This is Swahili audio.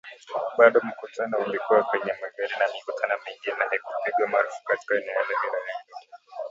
bado mkutano ulikuwa kwenye magari na mikutano mingine haikupigwa marufuku katika eneo hilo hilo